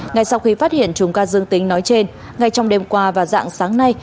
ngay sau khi phát hiện chùm ca dương tính nói trên ngay trong đêm qua và dạng sáng nay